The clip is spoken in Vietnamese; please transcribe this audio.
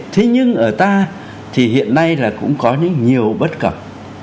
thế nhưng ở ta thì hiện nay là cũng có những nhiều bất cập